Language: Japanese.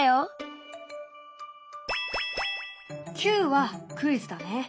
「Ｑ」はクイズだね。